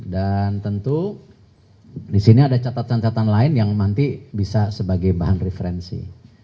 dan tentu disini ada catatan catatan lain yang nanti bisa sebagai bahan referensi